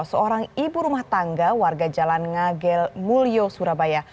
seorang ibu rumah tangga warga jalan ngagel mulyo surabaya